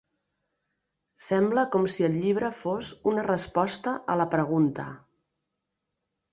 Sembla com si el llibre fos una resposta a la pregunta.